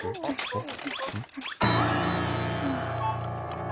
あっ。